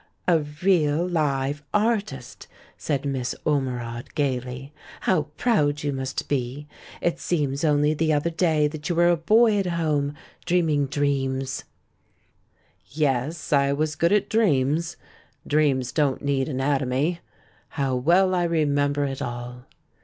"A real live artist!" said INIiss Ormerod, gaily. "How proud you must be! It seems only the other day that you were a boy at home, dream ing dreams." THE BACK OF BOHEMIA 295 "Yes, I was good at dreams ; dreams don't need anatomy. How well I remember it all!"